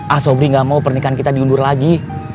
aswabri gak mau pernikahan kita diundur lagi